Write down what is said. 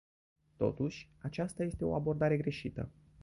Totuși, aceasta este o abordare greșită.